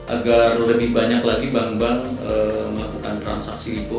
agar lebih banyak lagi bank bank melakukan transaksi